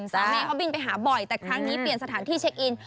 สามีเขาบินไปหาบ่อยแต่ครั้งนี้เปลี่ยนสถานที่เช็คอิน